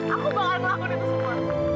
aku bakal ngelakuin itu semua